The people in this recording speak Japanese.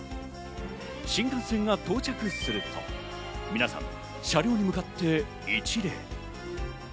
新幹線が到着すると、皆さん車両に向かって一礼。